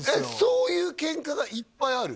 そういうケンカがいっぱいある？